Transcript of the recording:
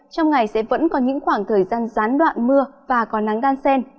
trong ngày sẽ vẫn có những khoảng thời gian gián đoạn mưa và có nắng đan sen